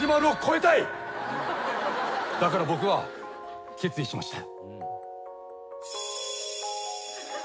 だから僕は決意しました。